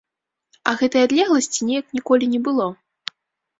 А гэтай адлегласці неяк ніколі не было.